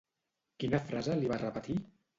Quina frase li va repetir?